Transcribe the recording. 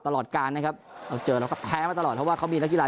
ตลอดการนะครับเราเจอเราก็แพ้มาตลอดเพราะว่าเขามีนักกีฬา